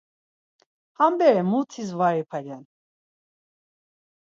Ham bere mutis var ipelen.